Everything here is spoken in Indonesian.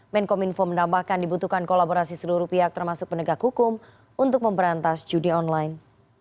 menkom info menambahkan dibutuhkan kolaborasi seluruh pihak termasuk penegak hukum untuk memberantas judi online